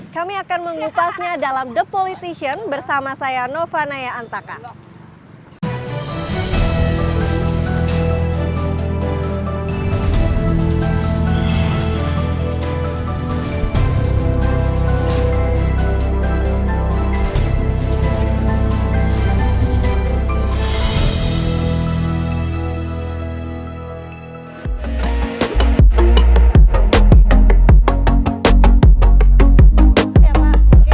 kami akan mengupasnya dalam the politician bersama saya nova naya antaka